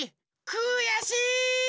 くやしい！